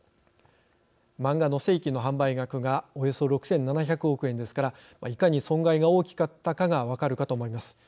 漫画の正規の販売額がおよそ６７００億円ですからいかに損害が大きかったかが分かるかと思います。